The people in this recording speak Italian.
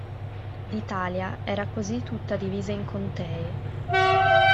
L'Italia era così tutta divisa in contee.